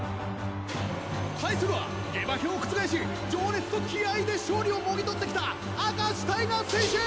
対するは下馬評を覆し情熱と気合いで勝利をもぎとってきた明石タイガ選手！